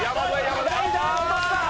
ライダー、落とした！